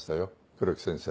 黒木先生。